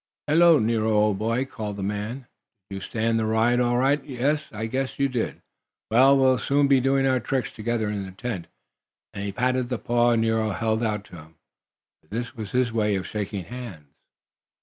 "Hello, Nero, old boy!" called the man. "Did you stand the ride all right? Yes, I guess you did. Well, we'll soon be doing our tricks together in the tent," and he patted the paw Nero held out to him, for this was his way of shaking hands.